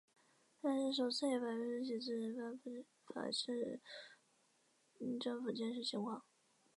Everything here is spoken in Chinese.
上海市首次以白皮书形式发布法治政府建设情况。